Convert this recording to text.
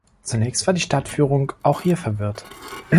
Zunächst war die Stadtführung auch hier verwirrt.